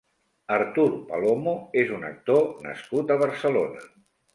Artur Palomo és un actor nascut a Barcelona.